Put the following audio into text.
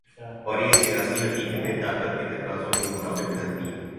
اور یہ سیاسی حقیقتیں طاقت کے تقاضوں کے مطابق ڈھلتی ہیں۔